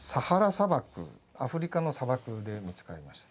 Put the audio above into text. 砂漠アフリカの砂漠で見つかりました。